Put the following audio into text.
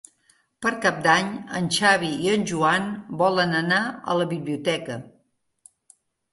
Per Cap d'Any en Xavi i en Joan volen anar a la biblioteca.